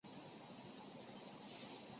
滨松市的经济在战后亦有大幅发展。